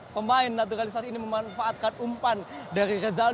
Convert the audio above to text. pemain naturalisasi ini memanfaatkan umpan dari rezal